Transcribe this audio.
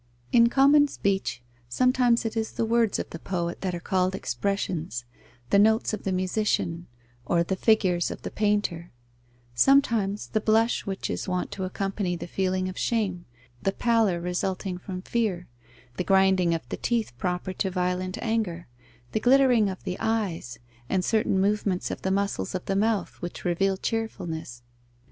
In common speech, sometimes it is the words of the poet that are called expressions, the notes of the musician, or the figures of the painter; sometimes the blush which is wont to accompany the feeling of shame, the pallor resulting from fear, the grinding of the teeth proper to violent anger, the glittering of the eyes, and certain movements of the muscles of the mouth, which reveal cheerfulness.